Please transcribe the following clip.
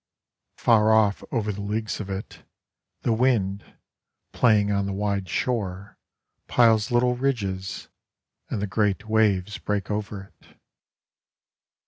Far off over the leagues of it, The wind, Playing on the wide shore, Piles little ridges, And the great wavesBreak over it.